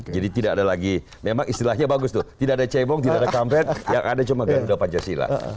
jadi tidak ada lagi memang istilahnya bagus tuh tidak ada cebong tidak ada kampen yang ada cuma garuda pancasila